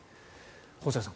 細谷さん